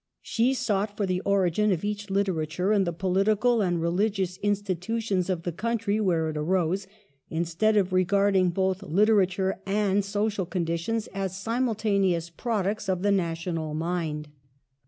She sought for the origin of each literature in the political and religious institutions of the country where it arose, instead of regarding both literature and social conditions as simultaneous products of the national mind.